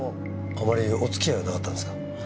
あまりお付き合いはなかったんですか？